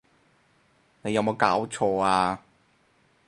你有無攪錯呀！